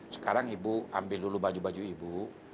sekarang ibu ambil dulu baju baju ibu